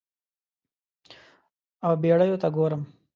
او بیړیو ته ګورم